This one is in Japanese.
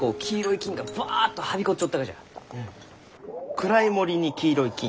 暗い森に黄色い菌。